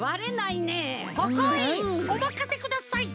ほほいおまかせください。